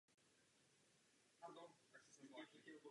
Tento požadavek navazuje na znění čl.